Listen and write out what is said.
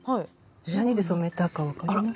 何で染めたか分かりますか？